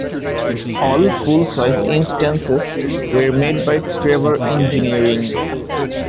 All full-size instances were made by Traver Engineering.